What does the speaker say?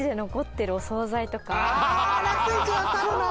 あぁラスイチ分かるな。